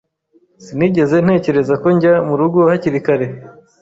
Sinigeze ntekereza ko njya murugo hakiri kare.